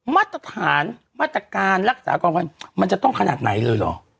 มาตรฐานมาตรการรักษาความปลอดภัยมันจะต้องขนาดไหนเลยหรอ